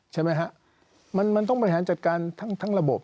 ใช่มั้ยครับมันต้องบริหารจัดการทั้งระบบ